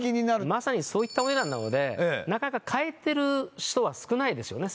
まさにそういったお値段なのでなかなか買えてる人は少ないですよね